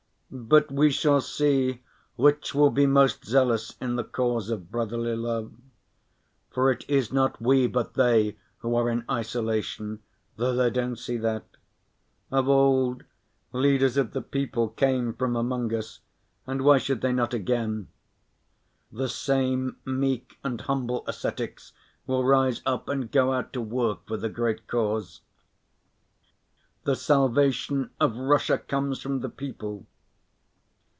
But we shall see which will be most zealous in the cause of brotherly love. For it is not we, but they, who are in isolation, though they don't see that. Of old, leaders of the people came from among us, and why should they not again? The same meek and humble ascetics will rise up and go out to work for the great cause. The salvation of Russia comes from the people.